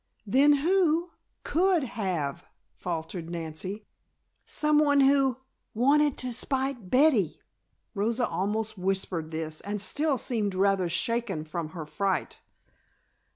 "Then who could have?" faltered Nancy. "Someone who wanted to spite Betty," Rosa almost whispered this, and still seemed rather shaken from her fright.